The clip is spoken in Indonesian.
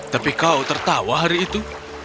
tapi kau tertawa hari itu